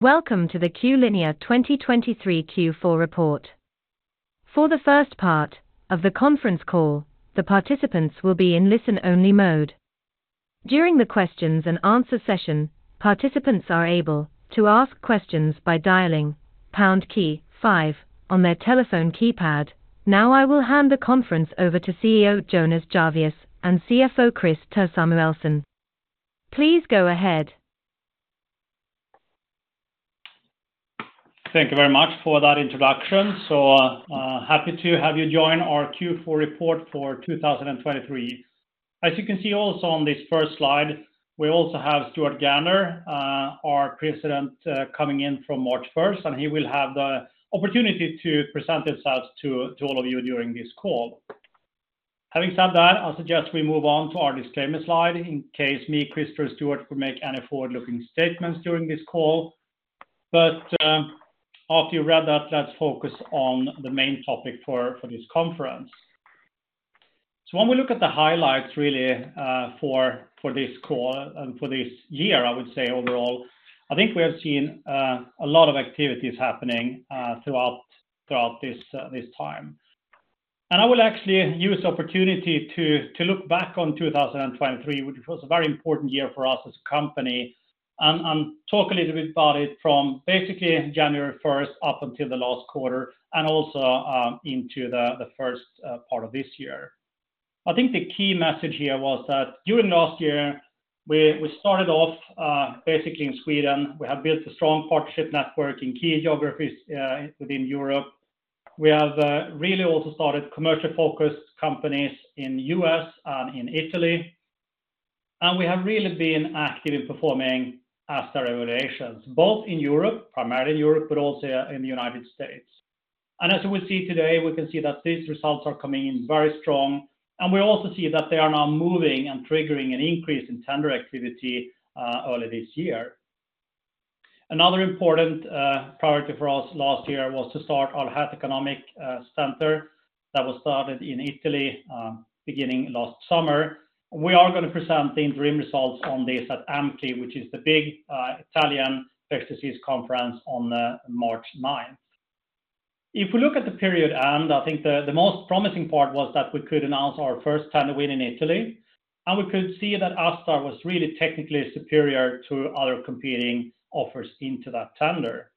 Welcome to the Q-linea 2023 Q4 report. For the first part of the conference call, the participants will be in listen-only mode. During the questions and answer session, participants are able to ask questions by dialing pound key five on their telephone keypad. Now, I will hand the conference over to CEO Jonas Jarvius and CFO Christer Samuelsson. Please go ahead. Thank you very much for that introduction. So, happy to have you join our Q4 report for 2023. As you can see also on this first slide, we also have Stuart Gander, our president, coming in from March first, and he will have the opportunity to present himself to all of you during this call. Having said that, I'll suggest we move on to our disclaimer slide in case me, Christer, Stuart could make any forward-looking statements during this call. But, after you read that, let's focus on the main topic for this conference. So when we look at the highlights, really, for this call and for this year, I would say overall, I think we have seen a lot of activities happening throughout this time. I will actually use the opportunity to look back on 2023, which was a very important year for us as a company, and talk a little bit about it from basically January first up until the last quarter, and also into the first part of this year. I think the key message here was that during last year, we started off basically in Sweden. We have built a strong partnership network in key geographies within Europe. We have really also started commercial-focused companies in U.S. and in Italy, and we have really been active in performing ASTar evaluations, both in Europe, primarily Europe, but also in the United States. As we see today, we can see that these results are coming in very strong, and we also see that they are now moving and triggering an increase in tender activity early this year. Another important priority for us last year was to start our health economic study. That was started in Italy beginning last summer. We are going to present the interim results on this at AMCLI, which is the big Italian infectious disease conference on March ninth. If we look at the period end, I think the most promising part was that we could announce our first tender win in Italy, and we could see that ASTar was really technically superior to other competing offers into that tender.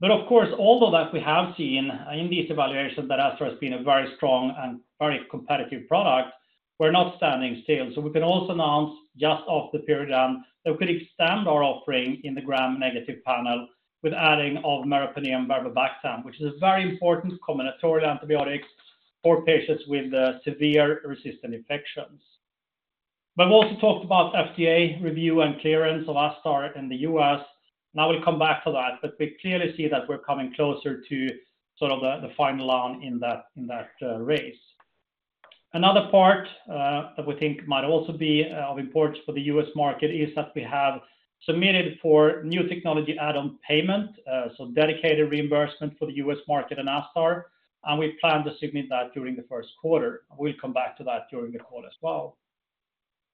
But of course, although that we have seen in these evaluations that ASTar has been a very strong and very competitive product, we're not standing still. So we can also announce just off the period end, that we could extend our offering in the Gram-negative panel with adding of meropenem/vaborbactam, which is a very important combination antibiotic for patients with severe resistant infections. We've also talked about FDA review and clearance of ASTar in the U.S., and I will come back to that, but we clearly see that we're coming closer to sort of the final line in that race. Another part that we think might also be of importance for the U.S. market is that we have submitted for New Technology Add-on Payment, so dedicated reimbursement for the U.S. market and ASTar, and we plan to submit that during the first quarter. We'll come back to that during the call as well.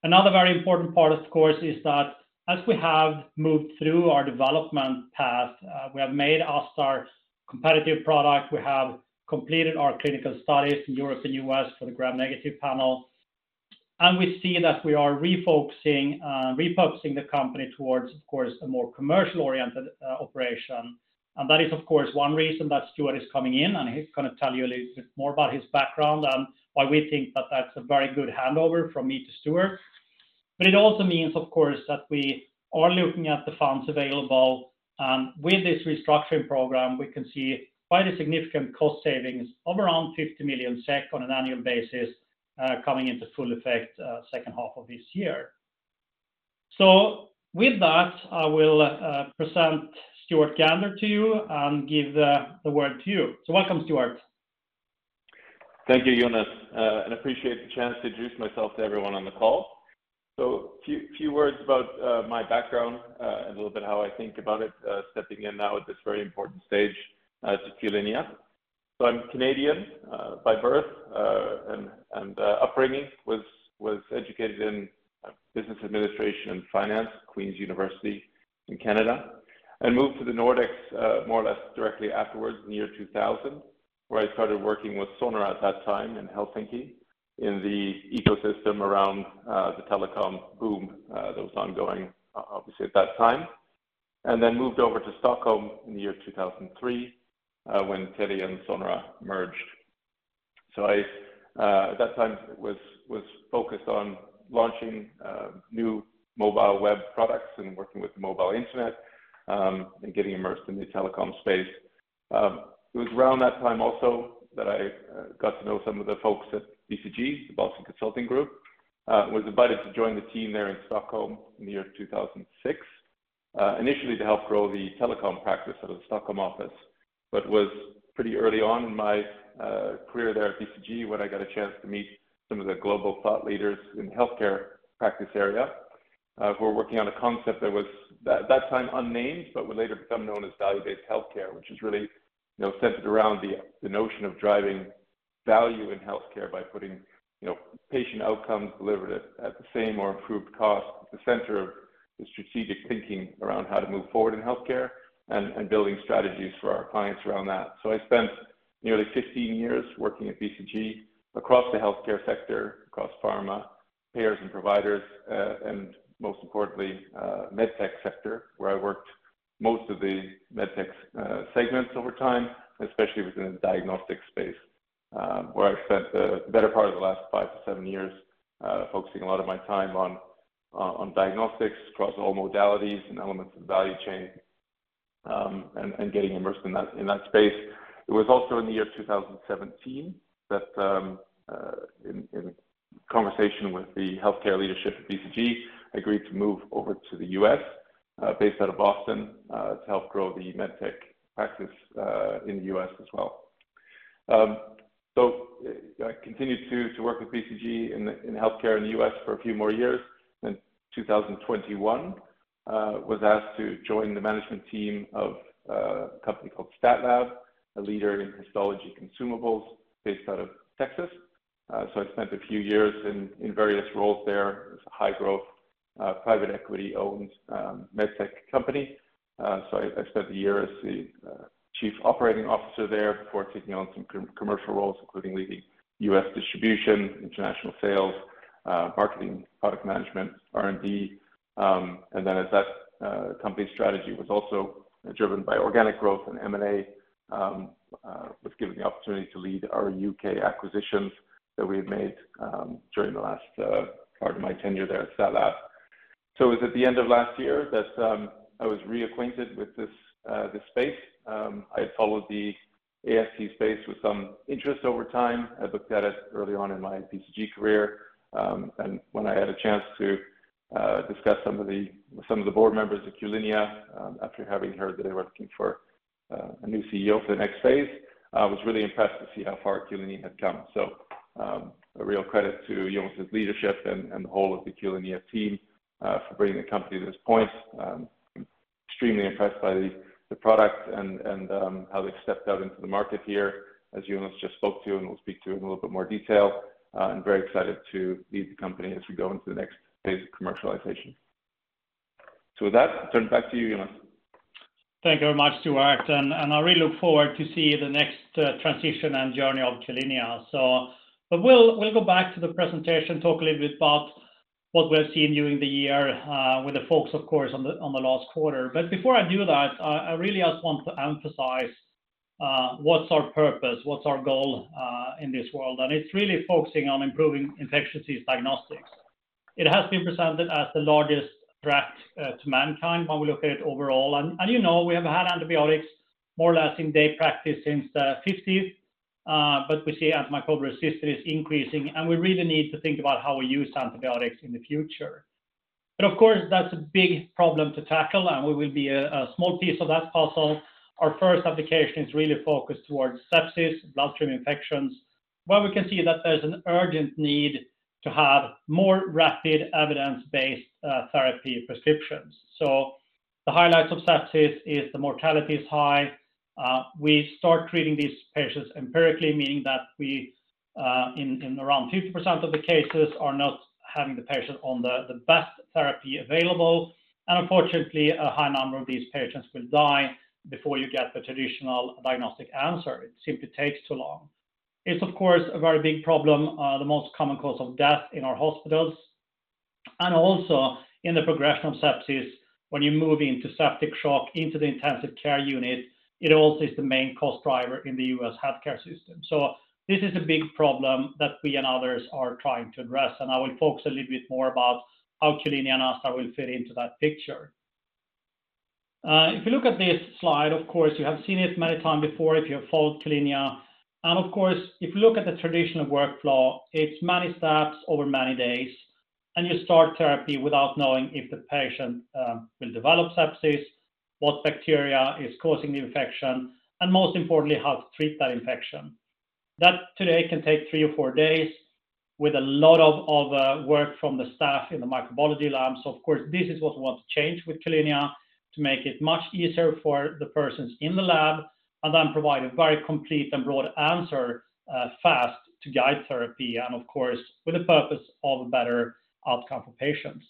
Another very important part, of course, is that as we have moved through our development path, we have made ASTar competitive product. We have completed our clinical studies in Europe and U.S. for the Gram-negative Panel, and we see that we are refocusing, repurposing the company towards, of course, a more commercial-oriented operation. That is, of course, one reason that Stuart is coming in, and he's going to tell you a little bit more about his background and why we think that that's a very good handover from me to Stuart. But it also means, of course, that we are looking at the funds available, and with this restructuring program, we can see quite a significant cost savings of around 50 million SEK on an annual basis, coming into full effect, second half of this year. So with that, I will present Stuart Gander to you and give the word to you. So welcome, Stuart. Thank you, Jonas, and appreciate the chance to introduce myself to everyone on the call. So few words about my background, and a little bit how I think about it, stepping in now at this very important stage to Q-linea. So I'm Canadian by birth and upbringing, was educated in business administration and finance, Queen's University in Canada, and moved to the Nordics more or less directly afterwards in the year 2000, where I started working with Sonera at that time in Helsinki, in the ecosystem around the telecom boom that was ongoing, obviously, at that time. And then moved over to Stockholm in the year 2003, when Telia and Sonera merged. So I at that time was focused on launching new mobile web products and working with mobile internet, and getting immersed in the telecom space. It was around that time also that I got to know some of the folks at BCG, the Boston Consulting Group, was invited to join the team there in Stockholm in the year 2006. Initially to help grow the telecom practice out of the Stockholm office, but was pretty early on in my career there at BCG, when I got a chance to meet some of the global thought leaders in healthcare practice area, who were working on a concept that was, at that time, unnamed, but would later become known as value-based healthcare, which is really, you know, centered around the notion of driving-... value in healthcare by putting, you know, patient outcomes delivered at, at the same or improved cost at the center of the strategic thinking around how to move forward in healthcare, and, and building strategies for our clients around that. So I spent nearly 15 years working at BCG across the healthcare sector, across pharma, payers and providers, and most importantly, MedTech sector, where I worked most of the MedTech's segments over time, especially within the diagnostic space, where I've spent the better part of the last 5-7 years focusing a lot of my time on, on diagnostics across all modalities and elements of the value chain, and, and getting immersed in that, in that space. It was also in the year 2017 that, in conversation with the healthcare leadership at BCG, I agreed to move over to the U.S., based out of Boston, to help grow the MedTech practice, in the U.S. as well. So I continued to work with BCG in healthcare in the U.S. for a few more years. Then 2021, was asked to join the management team of a company called StatLab, a leader in histology consumables based out of Texas. So I spent a few years in various roles there. It's a high growth, private equity-owned, MedTech company. So I spent a year as the chief operating officer there before taking on some commercial roles, including leading U.S. distribution, international sales, marketing, product management, R&D. As that company's strategy was also driven by organic growth and M&A, I was given the opportunity to lead our UK acquisitions that we had made during the last part of my tenure there at StatLab. So it was at the end of last year that I was reacquainted with this space. I had followed the AST space with some interest over time. I looked at it early on in my BCG career, and when I had a chance to discuss with some of the board members of Q-linea, after having heard that they were looking for a new CEO for the next phase, I was really impressed to see how far Q-linea had come. So, a real credit to Jonas' leadership and the whole of the Q-linea team for bringing the company to this point. Extremely impressed by the product and how they've stepped out into the market here, as Jonas just spoke to, and we'll speak to in a little bit more detail. I'm very excited to lead the company as we go into the next phase of commercialization. So with that, I'll turn it back to you, Jonas. Thank you very much, Stuart, and I really look forward to see the next transition and journey of Q-linea. So but we'll go back to the presentation, talk a little bit about what we've seen during the year, with a focus, of course, on the last quarter. But before I do that, I really just want to emphasize what's our purpose, what's our goal in this world, and it's really focusing on improving infectious disease diagnostics. It has been presented as the largest threat to mankind when we look at it overall, and you know, we have had antibiotics more or less in day practice since the fifties. But we see antimicrobial resistance is increasing, and we really need to think about how we use antibiotics in the future. But of course, that's a big problem to tackle, and we will be a small piece of that puzzle. Our first application is really focused towards sepsis, bloodstream infections, where we can see that there's an urgent need to have more rapid, evidence-based therapy prescriptions. So the highlights of sepsis is the mortality is high. We start treating these patients empirically, meaning that we in around 50% of the cases, are not having the patient on the best therapy available. And unfortunately, a high number of these patients will die before you get the traditional diagnostic answer. It simply takes too long. It's, of course, a very big problem, the most common cause of death in our hospitals, and also in the progression of sepsis, when you move into septic shock, into the intensive care unit, it also is the main cost driver in the U.S. healthcare system. So this is a big problem that we and others are trying to address, and I will focus a little bit more about how Q-linea and ASTar will fit into that picture. If you look at this slide, of course, you have seen it many times before, if you have followed Q-linea. And of course, if you look at the traditional workflow, it's many steps over many days, and you start therapy without knowing if the patient, will develop sepsis, what bacteria is causing the infection, and most importantly, how to treat that infection. That today can take three or four days with a lot of work from the staff in the microbiology lab. So of course, this is what we want to change with Q-linea, to make it much easier for the persons in the lab, and then provide a very complete and broad answer fast to guide therapy, and of course, for the purpose of a better outcome for patients.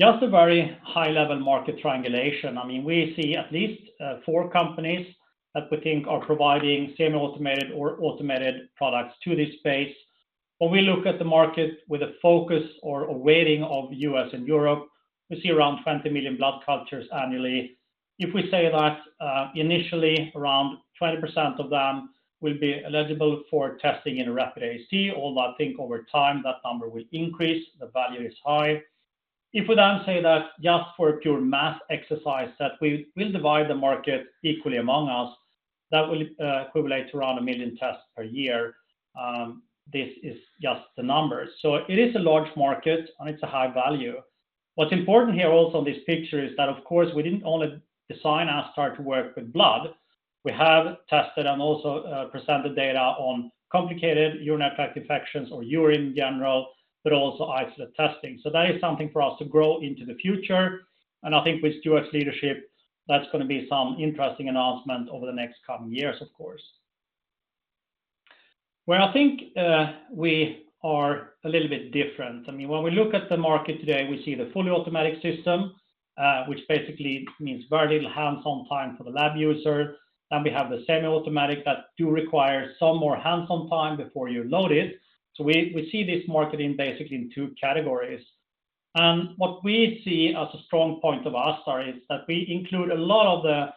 Just a very high-level market triangulation. I mean, we see at least four companies that we think are providing semi-automated or automated products to this space. When we look at the market with a focus or a weighting of U.S. and Europe, we see around 20 million blood cultures annually. If we say that, initially, around 20% of them will be eligible for testing in a rapid AST, although I think over time, that number will increase, the value is high. If we then say that just for a pure math exercise, that we will divide the market equally among us, that will, equate to around 1 million tests per year. This is just the numbers. So it is a large market, and it's a high value. What's important here also in this picture is that, of course, we didn't only design ASTar to work with blood. We have tested and also, presented data on complicated urinary tract infections or urine in general, but also isolate testing. So that is something for us to grow into the future, and I think with Stuart's leadership-... That's gonna be some interesting announcement over the next coming years, of course. Where I think, we are a little bit different, I mean, when we look at the market today, we see the fully automatic system, which basically means very little hands-on time for the lab user. Then we have the semi-automatic that do require some more hands-on time before you load it. So we, we see this market in basically in two categories. And what we see as a strong point of ASTar is that we include a lot of the,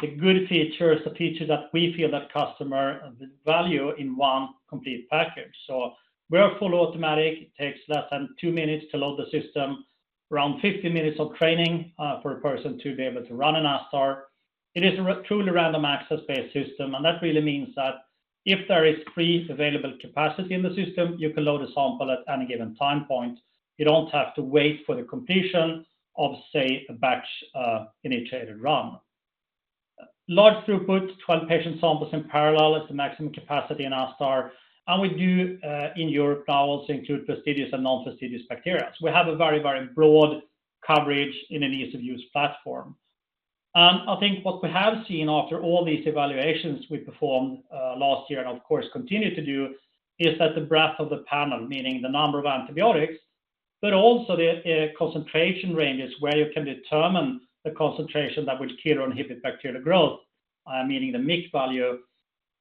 the good features, the features that we feel that customer value in one complete package. So we are full automatic, it takes less than two minutes to load the system, around 50 minutes of training, for a person to be able to run an ASTar. It is a truly random access-based system, and that really means that if there is free available capacity in the system, you can load a sample at any given time point. You don't have to wait for the completion of, say, a batch, initiated run. Large throughput, 12 patient samples in parallel is the maximum capacity in ASTar, and we do, in Europe now also include fastidious and non-fastidious bacteria. So we have a very, very broad coverage in an ease-of-use platform. And I think what we have seen after all these evaluations we performed last year, and of course continue to do, is that the breadth of the panel, meaning the number of antibiotics, but also the concentration range, is where you can determine the concentration that would kill or inhibit bacterial growth, meaning the MIC value,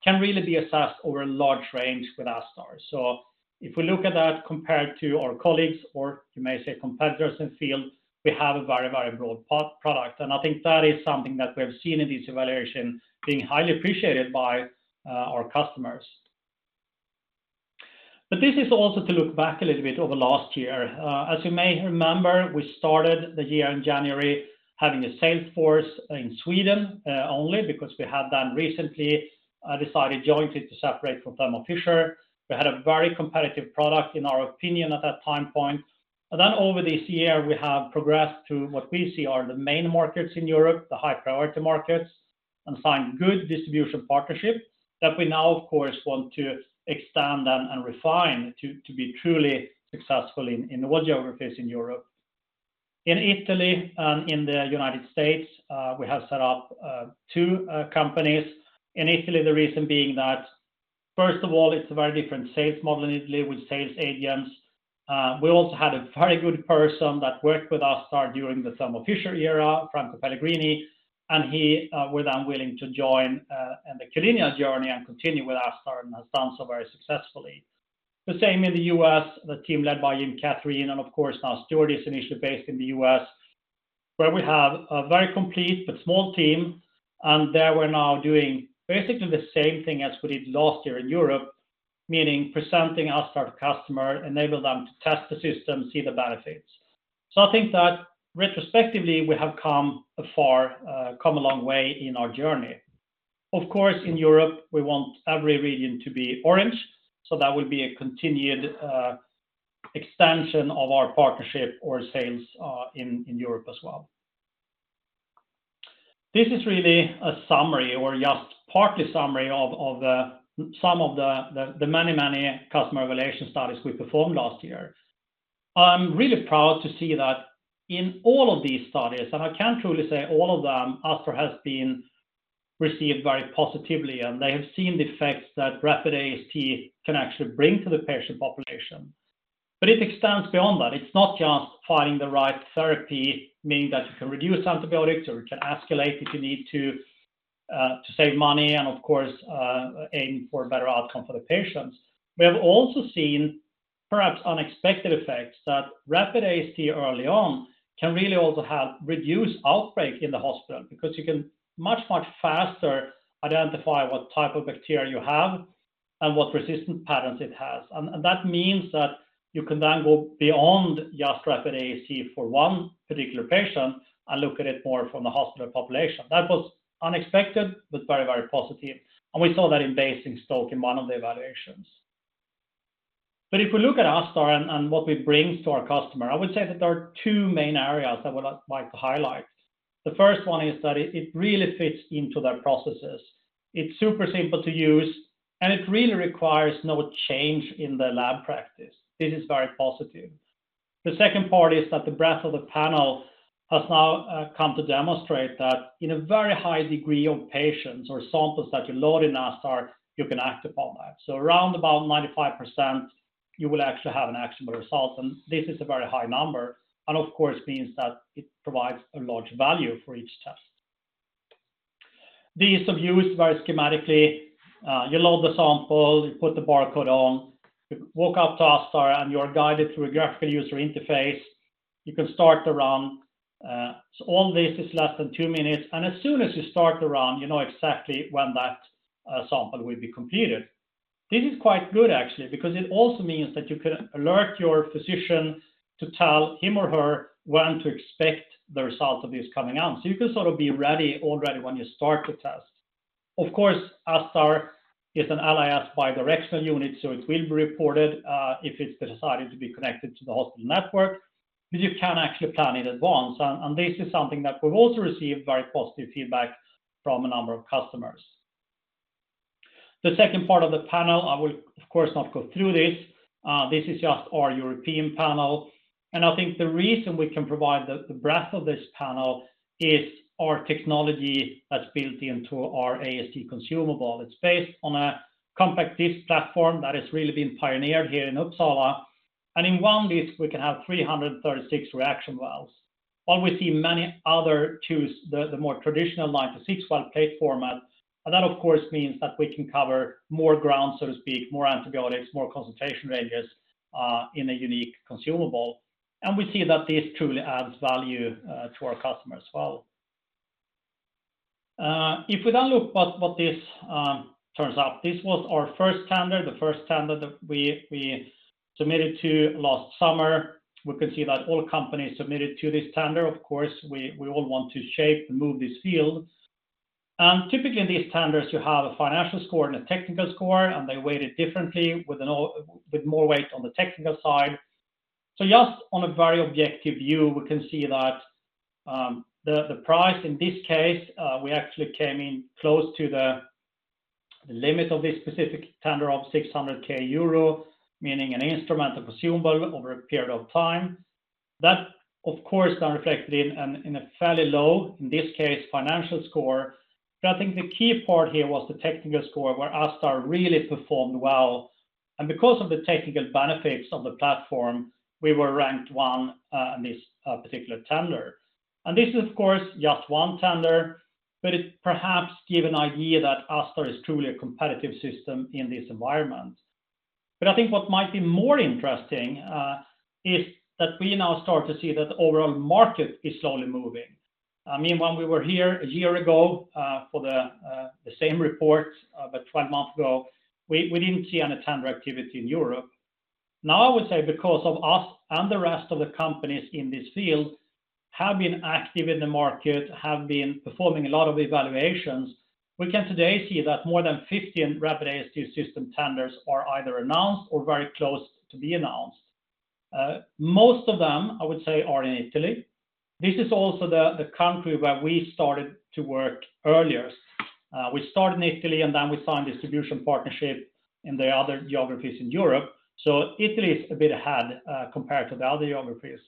can really be assessed over a large range with ASTar. So if we look at that compared to our colleagues or you may say, competitors in the field, we have a very, very broad product, and I think that is something that we have seen in this evaluation being highly appreciated by our customers. But this is also to look back a little bit over last year. As you may remember, we started the year in January having a sales force in Sweden, only because we had done recently decided jointly to separate from Thermo Fisher. We had a very competitive product, in our opinion, at that time point. And then over this year, we have progressed to what we see are the main markets in Europe, the high priority markets, and find good distribution partnerships that we now, of course, want to extend and, and refine to, to be truly successful in, in the geographies in Europe. In Italy and in the United States, we have set up two companies. In Italy the reason being that, first of all, it's a very different sales model in Italy with sales ADMs. We also had a very good person that worked with ASTar during the Thermo Fisher era, Franco Pellegrini, and he was then willing to join in the Q-linea journey and continue with ASTar, and has done so very successfully. The same in the U.S., the team led by Jim Kathrein, and of course, now Stuart is initially based in the U.S., where we have a very complete but small team, and there we're now doing basically the same thing as we did last year in Europe. Meaning presenting ASTar to customer, enable them to test the system, see the benefits. So I think that retrospectively we have come a long way in our journey. Of course, in Europe, we want every region to be orange, so that will be a continued extension of our partnership or sales in Europe as well. This is really a summary or just partly summary of some of the many customer evaluation studies we performed last year. I'm really proud to see that in all of these studies, and I can truly say all of them, ASTar has been received very positively, and they have seen the effects that rapid AST can actually bring to the patient population. But it extends beyond that. It's not just finding the right therapy, meaning that you can reduce antibiotics or you can escalate if you need to, to save money and of course aim for a better outcome for the patients. We have also seen perhaps unexpected effects, that rapid AST early on can really also help reduce outbreak in the hospital, because you can much, much faster identify what type of bacteria you have and what resistance patterns it has. And that means that you can then go beyond just rapid AST for one particular patient and look at it more from the hospital population. That was unexpected, but very, very positive, and we saw that in Basingstoke in one of the evaluations. But if we look at ASTar and what we bring to our customer, I would say that there are two main areas that I would like to highlight. The first one is that it really fits into their processes. It's super simple to use, and it really requires no change in the lab practice. This is very positive. The second part is that the breadth of the panel has now come to demonstrate that in a very high degree of patients or samples that you load in ASTar, you can act upon that. So around about 95%, you will actually have an actionable result, and this is a very high number, and of course, means that it provides a large value for each test. The ease of use, very schematically, you load the sample, you put the barcode on, you walk up to ASTar, and you are guided through a graphical user interface. You can start the run. So all this is less than two minutes, and as soon as you start the run, you know exactly when that sample will be completed. This is quite good actually, because it also means that you can alert your physician to tell him or her when to expect the result of this coming out. So you can sort of be ready already when you start the test. Of course, ASTar is an LIS bi-directional unit, so it will be reported if it's decided to be connected to the hospital network, but you can actually plan in advance. And this is something that we've also received very positive feedback from a number of customers.... The second part of the panel, I will, of course, not go through this. This is just our European panel, and I think the reason we can provide the breadth of this panel is our technology that's built into our AST consumable. It's based on a compact disk platform that has really been pioneered here in Uppsala, and in one disk, we can have 336 reaction wells. While we see many others choose the more traditional 96-well plate format, and that, of course, means that we can cover more ground, so to speak, more antibiotics, more concentration ranges in a unique consumable, and we see that this truly adds value to our customers as well. If we then look what this turns out, this was our first tender, the first tender that we submitted to last summer. We can see that all companies submitted to this tender. Of course, we all want to shape and move this field. Typically, in these tenders, you have a financial score and a technical score, and they weight it differently, with more weight on the technical side. So just on a very objective view, we can see that the price in this case we actually came in close to the limit of this specific tender of 600,000 euro, meaning an instrument of consumable over a period of time. That, of course, are reflected in a fairly low financial score in this case. But I think the key part here was the technical score, where ASTar really performed well, and because of the technical benefits of the platform, we were ranked one in this particular tender. This is, of course, just one tender, but it perhaps give an idea that ASTar is truly a competitive system in this environment. I think what might be more interesting is that we now start to see that the overall market is slowly moving. I mean, when we were here a year ago, for the same report, about 12 months ago, we didn't see any tender activity in Europe. Now, I would say because of us and the rest of the companies in this field have been active in the market, have been performing a lot of evaluations, we can today see that more than 15 rapid AST system tenders are either announced or very close to be announced. Most of them, I would say, are in Italy. This is also the country where we started to work earlier. We started in Italy, and then we signed a distribution partnership in the other geographies in Europe. So Italy is a bit ahead, compared to the other geographies.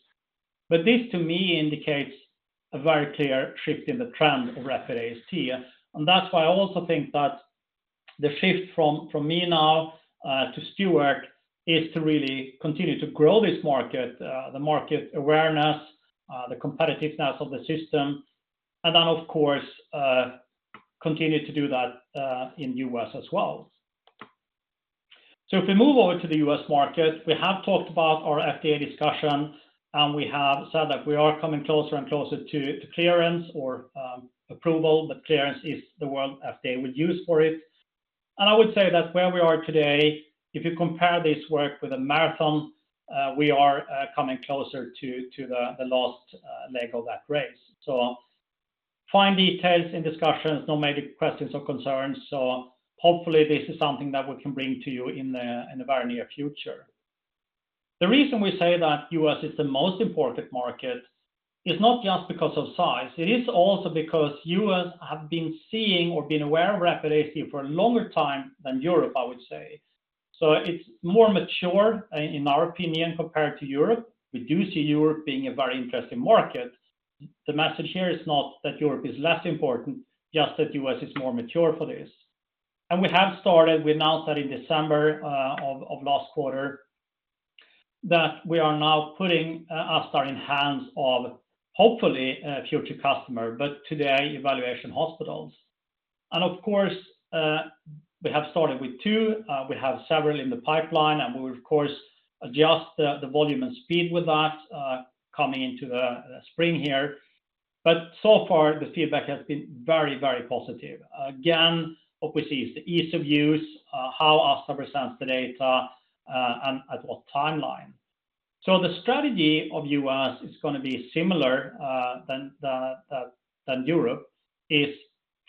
But this, to me, indicates a very clear shift in the trend of rapid AST, and that's why I also think that the shift from me now to Stuart is to really continue to grow this market, the market awareness, the competitiveness of the system, and then, of course, continue to do that in U.S. as well. So if we move over to the U.S. market, we have talked about our FDA discussion, and we have said that we are coming closer and closer to clearance or approval, but clearance is the word FDA would use for it. I would say that where we are today, if you compare this work with a marathon, we are coming closer to the last leg of that race. So fine details in discussions, no major questions or concerns, so hopefully, this is something that we can bring to you in the very near future. The reason we say that U.S. is the most important market is not just because of size, it is also because U.S. have been seeing or been aware of rapid AST for a longer time than Europe, I would say. So it's more mature, in our opinion, compared to Europe. We do see Europe being a very interesting market. The message here is not that Europe is less important, just that U.S. is more mature for this. We have started. We announced that in December of last quarter that we are now putting ASTar in hands of, hopefully, a future customer, but today evaluation hospitals. Of course, we have started with two. We have several in the pipeline, and we would, of course, adjust the volume and speed with that coming into the spring here. But so far, the feedback has been very, very positive. Again, what we see is the ease of use, how ASTar presents the data, and at what timeline. So the strategy of U.S. is gonna be similar than the than Europe: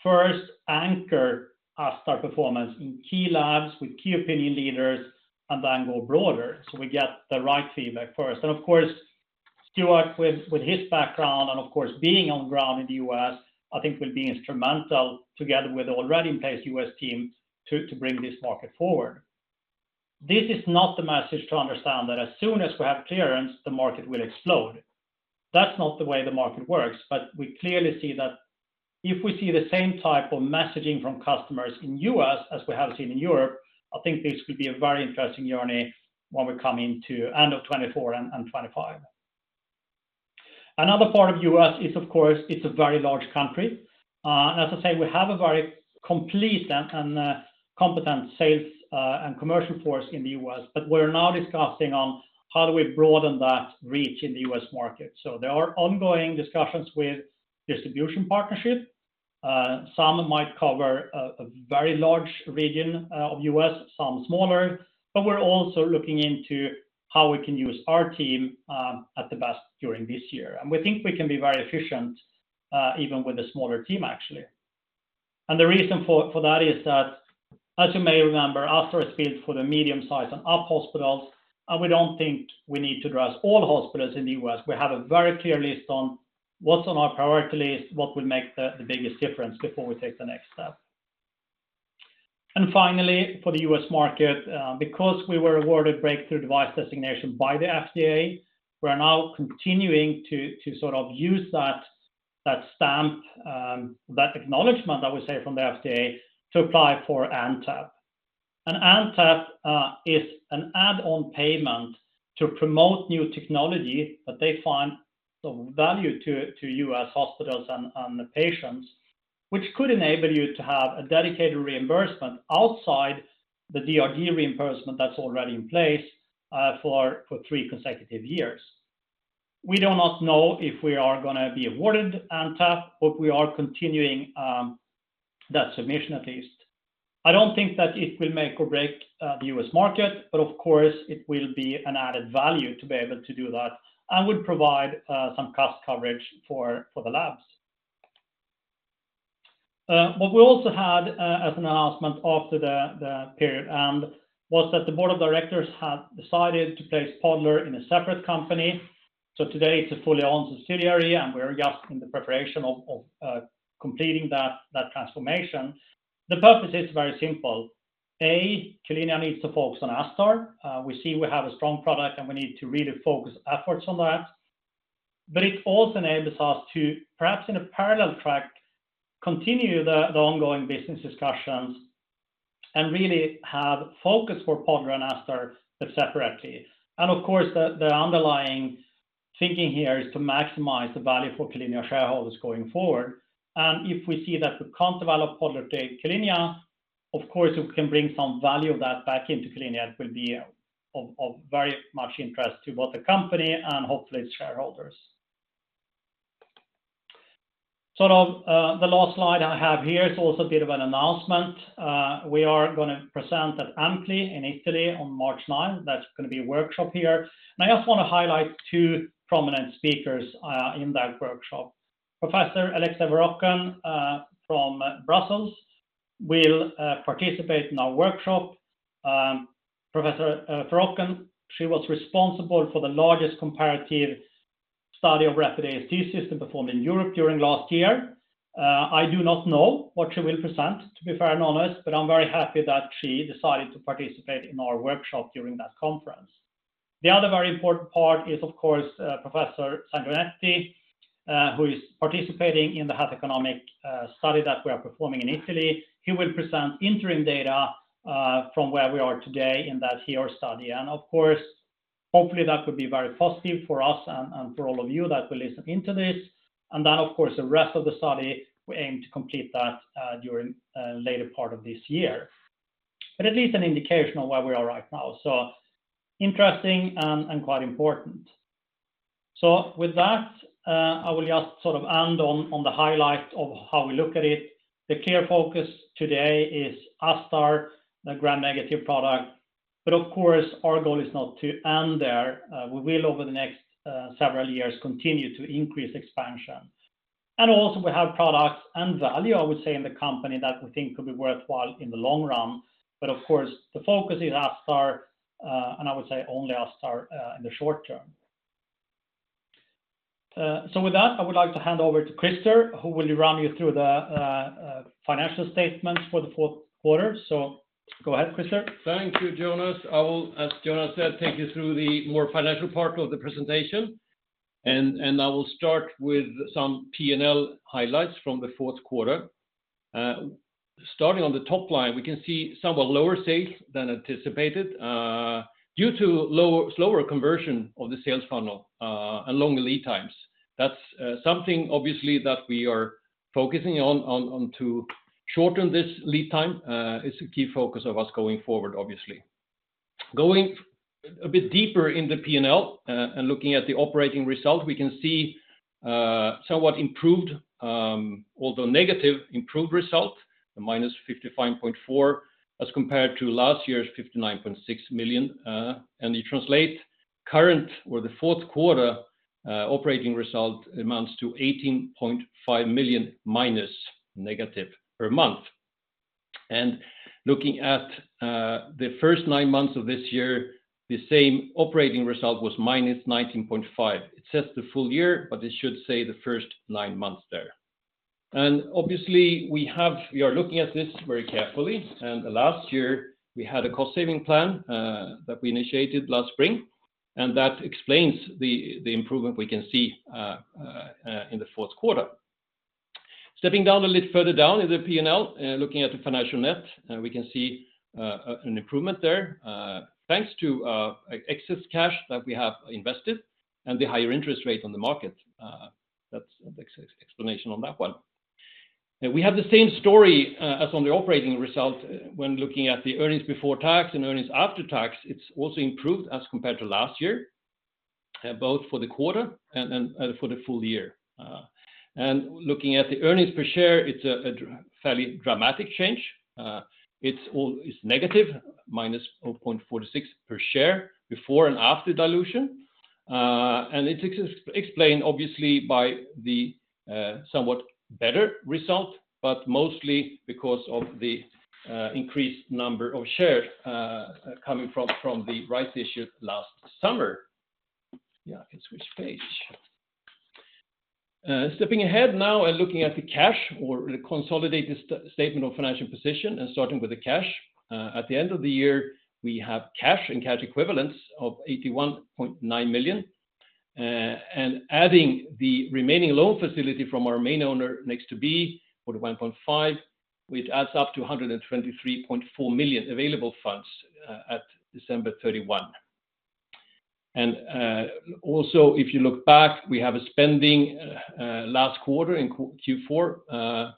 first anchor ASTar performance in key labs with key opinion leaders and then go broader, so we get the right feedback first. And of course, Stuart, with his background and, of course, being on ground in the U.S., I think will be instrumental together with already in place U.S. team to bring this market forward. This is not the message to understand that as soon as we have clearance, the market will explode. That's not the way the market works, but we clearly see that if we see the same type of messaging from customers in U.S. as we have seen in Europe, I think this could be a very interesting journey when we come into end of 2024 and 2025. Another part of U.S. is, of course, it's a very large country. As I say, we have a very complete and competent sales and commercial force in the U.S., but we're now discussing on how do we broaden that reach in the U.S. market. There are ongoing discussions with distribution partnership. Some might cover a very large region of U.S., some smaller, but we're also looking into how we can use our team at the best during this year. We think we can be very efficient, even with a smaller team, actually. The reason for that is that, as you may remember, ASTar is built for the medium-size and up hospitals, and we don't think we need to address all hospitals in the U.S. We have a very clear list of what's on our priority list, what would make the biggest difference before we take the next step? And finally, for the U.S. market, because we were awarded breakthrough device designation by the FDA, we're now continuing to sort of use that stamp that acknowledgement, I would say, from the FDA, to apply for NTAP. An NTAP is an add-on payment to promote new technology that they find of value to U.S. hospitals and the patients, which could enable you to have a dedicated reimbursement outside the DRG reimbursement that's already in place, for three consecutive years. We do not know if we are gonna be awarded NTAP, but we are continuing that submission at least. I don't think that it will make or break the U.S. market, but of course, it will be an added value to be able to do that, and would provide some cost coverage for the labs. What we also had, as an announcement after the period end, was that the board of directors had decided to place Podler in a separate company. So today, it's a fully owned subsidiary, and we're just in the preparation of completing that transformation. The purpose is very simple. A, Q-linea needs to focus on ASTar. We see we have a strong product, and we need to really focus efforts on that. But it also enables us to, perhaps in a parallel track, continue the ongoing business discussions, and really have focus for Podler and ASTar, but separately. And of course, the underlying thinking here is to maximize the value for Q-linea shareholders going forward. And if we see that we can't develop Podler at Q-linea, of course, we can bring some value of that back into Q-linea. It will be of very much interest to both the company and hopefully its shareholders. Sort of, the last slide I have here is also a bit of an announcement. We are gonna present at AMCLI in Italy on March 9th. That's gonna be a workshop here. And I just wanna highlight two prominent speakers in that workshop. Professor Alexia Verroken from Brussels will participate in our workshop. Professor Verecken, she was responsible for the largest comparative study of rapid AST system performed in Europe during last year. I do not know what she will present, to be fair and honest, but I'm very happy that she decided to participate in our workshop during that conference. The other very important part is, of course, Professor Saverio Mennini, who is participating in the health economic study that we are performing in Italy. He will present interim data from where we are today in that HEOR study. And of course, hopefully, that will be very positive for us and for all of you that will listen into this. And then, of course, the rest of the study, we aim to complete that during later part of this year. But at least an indication of where we are right now, so interesting and quite important. So with that, I will just sort of end on the highlight of how we look at it. The clear focus today is ASTar, the Gram-negative product. But of course, our goal is not to end there. We will, over the next several years, continue to increase expansion. Also, we have products and value, I would say, in the company that we think could be worthwhile in the long run. Of course, the focus is ASTar, and I would say only ASTar, in the short term. With that, I would like to hand over to Christer, who will run you through the financial statements for the fourth quarter. Go ahead, Christer. Thank you, Jonas. I will, as Jonas said, take you through the more financial part of the presentation, and I will start with some P&L highlights from the fourth quarter. Starting on the top line, we can see somewhat lower sales than anticipated, due to lower, slower conversion of the sales funnel, and longer lead times. That's something obviously that we are focusing on to shorten this lead time. It's a key focus of us going forward, obviously. Going a bit deeper in the P&L, and looking at the operating result, we can see somewhat improved, although negative, improved result, a -55.4 million, as compared to last year's -59.6 million. And you translate current or the fourth quarter operating result amounts to -18.5 million negative per month. Looking at the first nine months of this year, the same operating result was -19.5. It says the full year, but it should say the first nine months there. Obviously, we are looking at this very carefully, and last year, we had a cost-saving plan that we initiated last spring, and that explains the improvement we can see in the fourth quarter. Stepping down a little further down in the P&L, looking at the financial net, we can see an improvement there, thanks to excess cash that we have invested and the higher interest rates on the market. That's the explanation on that one. We have the same story as on the operating result when looking at the earnings before tax and earnings after tax. It's also improved as compared to last year, both for the quarter and then, and for the full year. And looking at the earnings per share, it's a fairly dramatic change. It's negative, -0.46 per share, before and after dilution. And it's explained, obviously, by somewhat better result, but mostly because of the increased number of shares coming from the rights issue last summer. Yeah, I can switch page. Stepping ahead now and looking at the cash or the consolidated statement of financial position, and starting with the cash. At the end of the year, we have cash and cash equivalents of 81.9 million. And adding the remaining loan facility from our main owner Nexttobe, 41.5 million, which adds up to 123.4 million available funds at December 31. And also, if you look back, we have a spending last quarter in Q4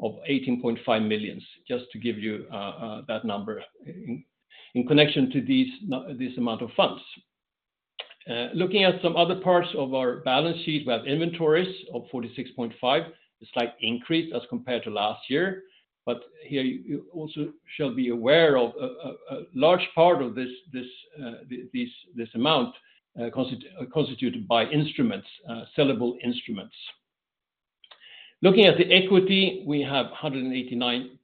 of 18.5 million, just to give you that number in connection to this amount of funds. Looking at some other parts of our balance sheet, we have inventories of 46.5 million, a slight increase as compared to last year. But here, you also shall be aware of a large part of this amount constituted by instruments, sellable instruments. Looking at the equity, we have 189.6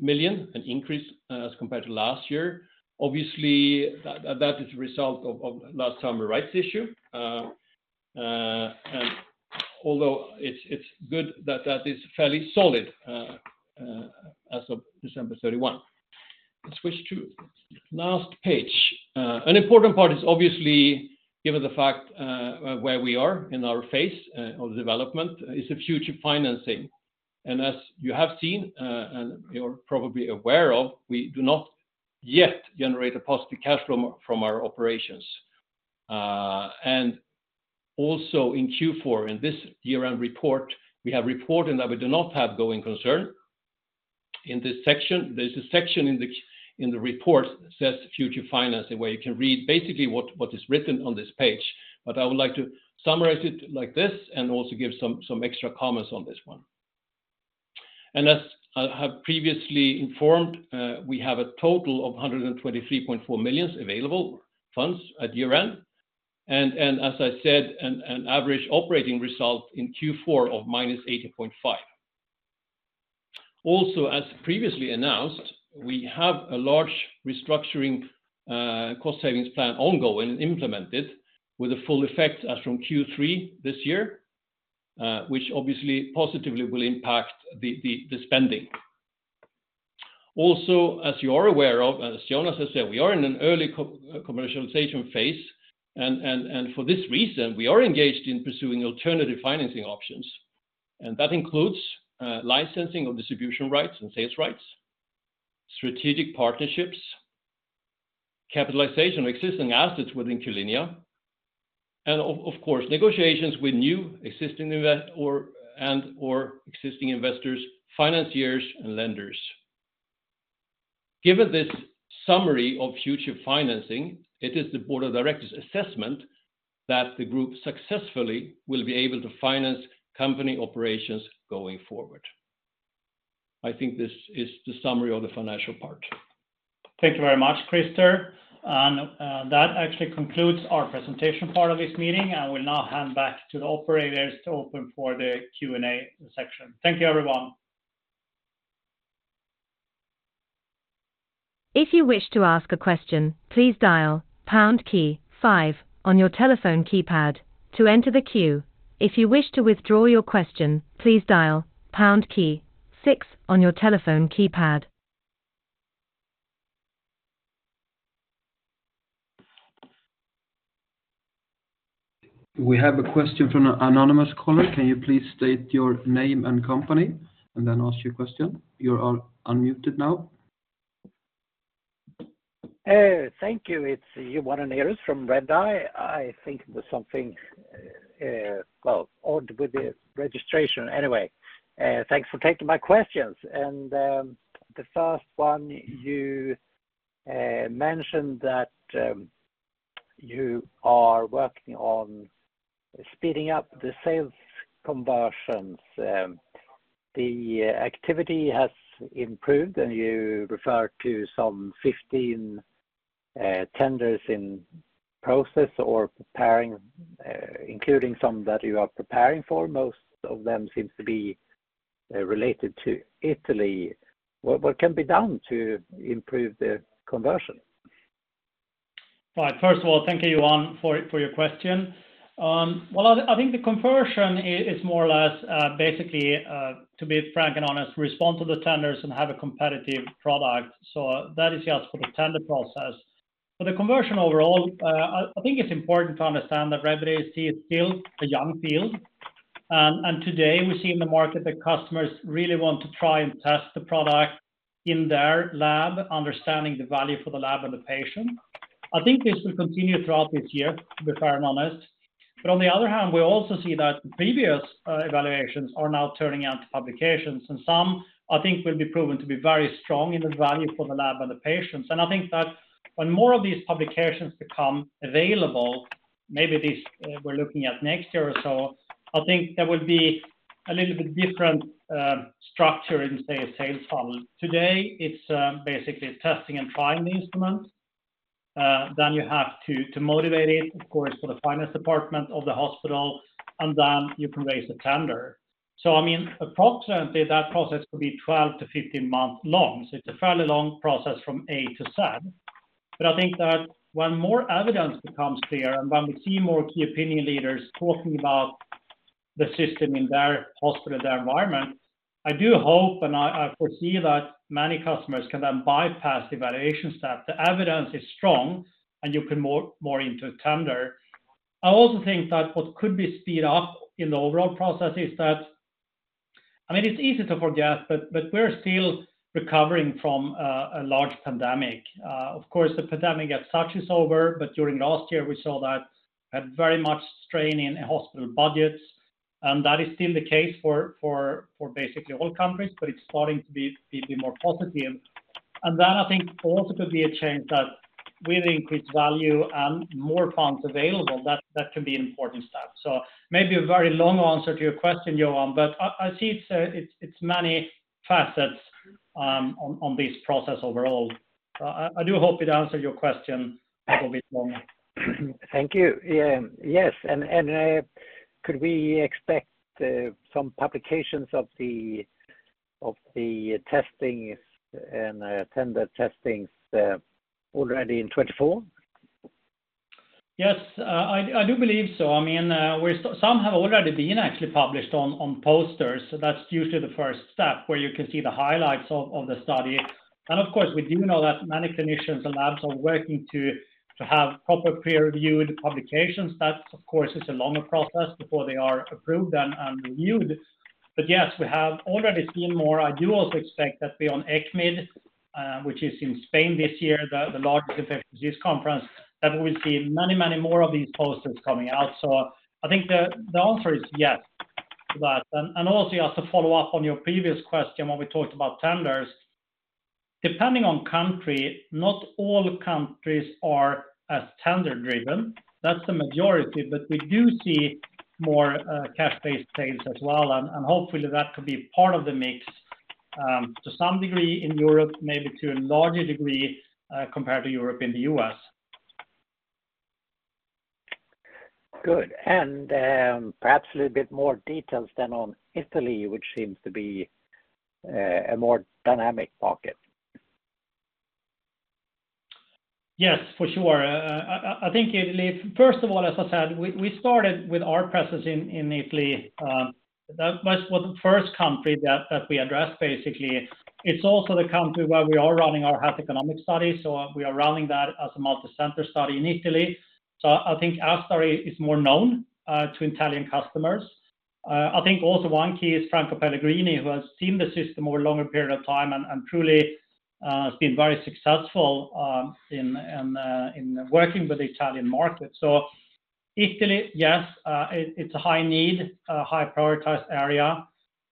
million, an increase as compared to last year. Obviously, that is a result of last summer rights issue. And although it's good that that is fairly solid as of December 31. Let's switch to last page. An important part is obviously, given the fact where we are in our phase of development, is the future financing. And as you have seen, and you're probably aware of, we do not yet generate a positive cash from our operations. And also in Q4, in this year-end report, we have reported that we do not have going concern. In this section, there's a section in the report that says future financing, where you can read basically what is written on this page. But I would like to summarize it like this and also give some extra comments on this one. As I have previously informed, we have a total of 123.4 million available funds at year-end. As I said, an average operating result in Q4 of -80.5 million. Also, as previously announced, we have a large restructuring cost savings plan ongoing and implemented with a full effect as from Q3 this year, which obviously positively will impact the spending. Also, as you are aware of, as Jonas has said, we are in an early co-commercialization phase, and for this reason, we are engaged in pursuing alternative financing options. That includes licensing of distribution rights and sales rights, strategic partnerships, capitalization of existing assets within Q-linea, and of course, negotiations with new or existing investors, financiers, and lenders. Given this summary of future financing, it is the board of directors' assessment that the group successfully will be able to finance company operations going forward. I think this is the summary of the financial part. Thank you very much, Christer. That actually concludes our presentation part of this meeting. I will now hand back to the operators to open for the Q&A section. Thank you, everyone. If you wish to ask a question, please dial pound key five on your telephone keypad to enter the queue. If you wish to withdraw your question, please dial pound key six on your telephone keypad. We have a question from an anonymous caller. Can you please state your name and company and then ask your question? You are unmuted now. Thank you. It's Johan Nerhus from Redeye. I think there was something, well, odd with the registration. Anyway, thanks for taking my questions. The first one, you mentioned that you are working on speeding up the sales conversions. The activity has improved, and you refer to some 15 tenders in process or preparing, including some that you are preparing for. Most of them seems to be related to Italy. What can be done to improve the conversion? Right. First of all, thank you, Johan, for your question. Well, I think the conversion is more or less, basically, to be frank and honest, respond to the tenders and have a competitive product. So that is just for the tender process. For the conversion overall, I think it's important to understand that revenue is still a young field. And today, we see in the market that customers really want to try and test the product in their lab, understanding the value for the lab and the patient. I think this will continue throughout this year, to be fair and honest. But on the other hand, we also see that the previous evaluations are now turning out to publications, and some, I think, will be proven to be very strong in the value for the lab and the patients. I think that when more of these publications become available, maybe this, we're looking at next year or so, I think there will be a little bit different, structure in, say, a sales funnel. Today, it's, basically testing and trying the instrument. Then you have to, to motivate it, of course, for the finance department of the hospital, and then you can raise a tender. So I mean, approximately, that process could be 12-15 months long. So it's a fairly long process from A to Z. But I think that when more evidence becomes clear, and when we see more key opinion leaders talking about the system in their hospital, their environment, I do hope, and I, I foresee that many customers can then bypass the evaluation step. The evidence is strong, and you can more into tender. I also think that what could be sped up in the overall process is that, I mean, it's easy to forget, but we're still recovering from a large pandemic. Of course, the pandemic as such is over, but during last year, we saw that had very much strain in hospital budgets, and that is still the case for basically all countries, but it's starting to be more positive. And then I think also could be a change that with increased value and more funds available, that could be an important step. So maybe a very long answer to your question, Johan, but I see it's many facets on this process overall. I do hope it answered your question, maybe a bit long. Thank you. Yeah. Yes, and could we expect some publications of the testings and tender testings already in 2024? Yes, I do believe so. I mean, some have already been actually published on posters. So that's usually the first step where you can see the highlights of the study. And of course, we do know that many clinicians and labs are working to have proper peer-reviewed publications. That, of course, is a longer process before they are approved and reviewed. But yes, we have already seen more. I do also expect that be on ECCMID, which is in Spain this year, the largest infectious disease conference, that we will see many, many more of these posters coming out. So I think the answer is yes to that. And also, just to follow up on your previous question, when we talked about tenders, depending on country, not all countries are as tender-driven. That's the majority, but we do see more cash-based sales as well, and hopefully, that could be part of the mix to some degree in Europe, maybe to a larger degree compared to Europe in the US. Good. And, perhaps a little bit more details then on Italy, which seems to be a more dynamic market. Yes, for sure. First of all, as I said, we started with our presence in Italy, that was the first country that we addressed, basically. It's also the country where we are running our health economic study, so we are running that as a multicenter study in Italy. So I think our story is more known to Italian customers. I think also one key is Franco Pellegrini, who has seen the system over a longer period of time and truly has been very successful in working with the Italian market. So Italy, yes, it's a high need, a high prioritized area.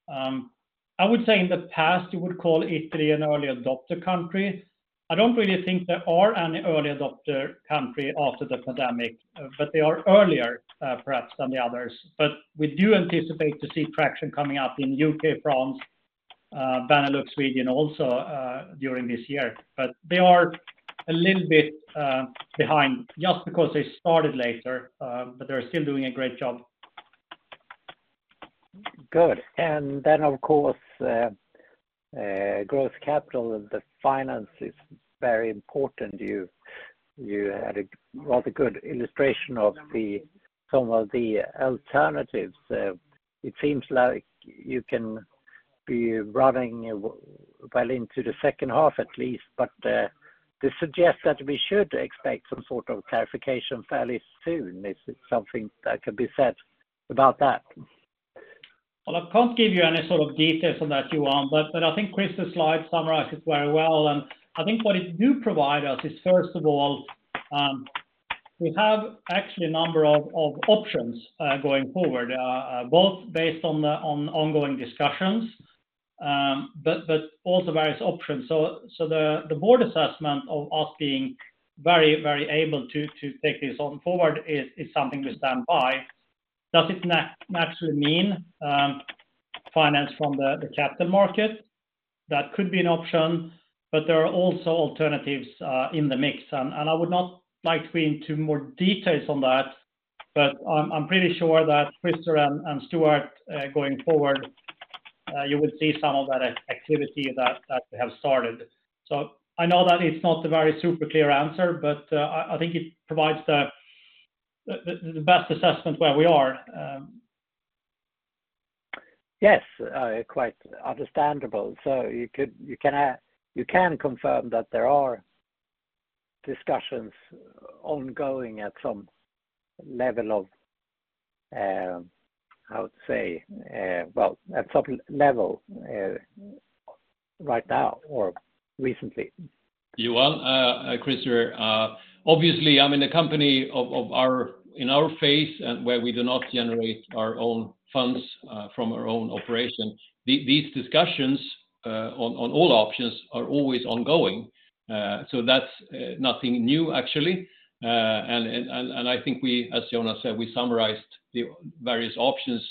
I would say in the past, you would call Italy an early adopter country. I don't really think there are any early adopter country after the pandemic, but they are earlier, perhaps than the others. But we do anticipate to see traction coming up in UK, France, Benelux, Sweden, also, during this year. But they are a little bit, behind just because they started later, but they're still doing a great job. Good. And then, of course, growth capital and the finance is very important. You had a rather good illustration of some of the alternatives. It seems like you can be running well into the second half at least, but this suggests that we should expect some sort of clarification fairly soon. Is it something that can be said about that? Well, I can't give you any sort of details on that, Johan, but I think Christer's slide summarizes very well. And I think what it do provide us is, first of all, we have actually a number of options going forward, both based on the ongoing discussions, but also various options. So the board assessment of us being very, very able to take this on forward is something we stand by. Does it naturally mean finance from the capital market? That could be an option, but there are also alternatives in the mix. And I would not like to be into more details on that, but I'm pretty sure that Christer and Stuart going forward, you will see some of that activity that have started. I know that it's not a very super clear answer, but I think it provides the best assessment where we are. Yes, quite understandable. So you can confirm that there are discussions ongoing at some level of, how to say, well, at some level, right now or recently. Johan, Christer, obviously, I mean, a company of our in our phase, and where we do not generate our own funds from our own operations, these discussions on all options are always ongoing. So that's nothing new, actually. And I think we, as Jonas said, we summarized the various options....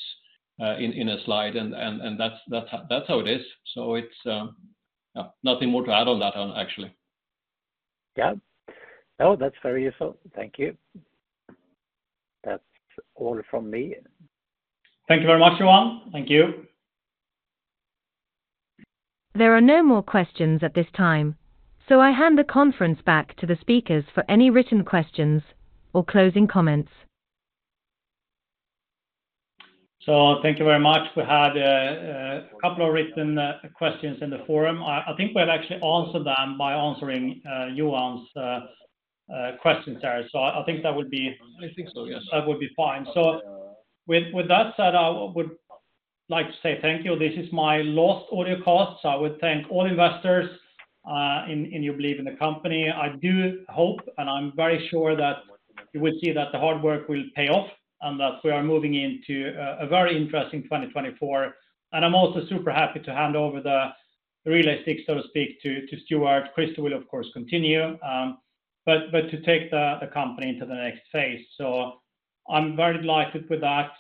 in a slide, and that's how it is. So it's, yeah, nothing more to add on that one, actually. Yeah. No, that's very useful. Thank you. That's all from me. Thank you very much, everyone. Thank you. There are no more questions at this time, so I hand the conference back to the speakers for any written questions or closing comments. So thank you very much. We had a couple of written questions in the forum. I think we've actually answered them by answering Johan's questions there. So I think that would be- I think so, yes. That would be fine. So with that said, I would like to say thank you. This is my last audio call, so I would thank all investors in your belief in the company. I do hope, and I'm very sure that you will see that the hard work will pay off, and that we are moving into a very interesting 2024. And I'm also super happy to hand over the reins, so to speak, to Stuart. Christer will, of course, continue, but to take the company into the next phase. So I'm very delighted with that.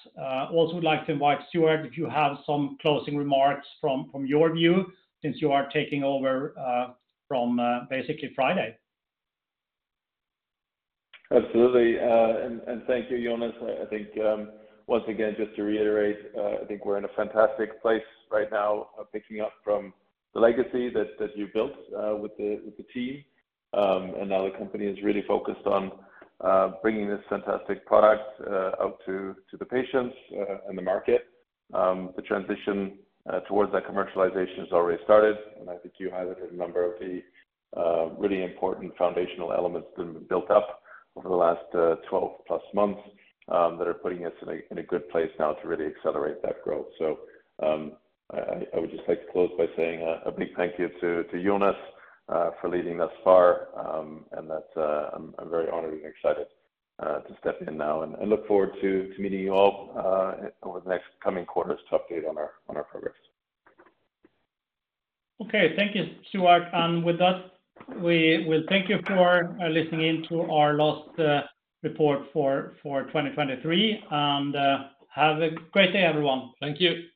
Also would like to invite Stuart, if you have some closing remarks from your view, since you are taking over from basically Friday. Absolutely. Thank you, Jonas. I think, once again, just to reiterate, I think we're in a fantastic place right now of picking up from the legacy that you built with the team. And now the company is really focused on bringing this fantastic product out to the patients and the market. The transition towards that commercialization has already started, and I think you highlighted a number of the really important foundational elements that have been built up over the last 12-plus months that are putting us in a good place now to really accelerate that growth. So, I would just like to close by saying a big thank you to Jonas for leading thus far. And that's. I'm very honored and excited to step in now. I look forward to meeting you all over the next coming quarters to update on our progress. Okay. Thank you, Stuart. And with that, we will thank you for listening in to our last report for 2023, and have a great day, everyone. Thank you.